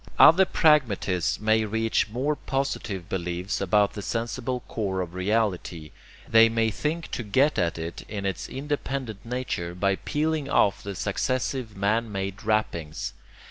Other pragmatists may reach more positive beliefs about the sensible core of reality. They may think to get at it in its independent nature, by peeling off the successive man made wrappings.